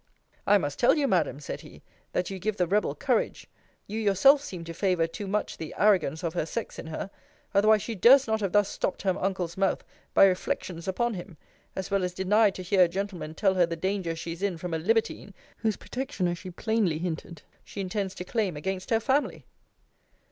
I must tell you, Madam, said he, that you give the rebel courage. You yourself seem to favour too much the arrogance of her sex in her; otherwise she durst not have thus stopped her uncle's mouth by reflections upon him; as well as denied to hear a gentleman tell her the danger she is in from a libertine, whose protection, as she plainly hinted, she intends to claim against her family.